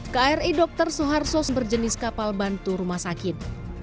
kri dr soeharto berjenis kapal bantu rumah sakit